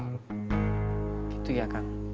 gitu ya kang